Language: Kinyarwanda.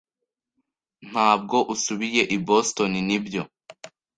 Ntabwo usubiye i Boston, nibyo?